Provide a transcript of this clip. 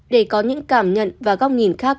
để có những cảm nhận và góc nhìn khác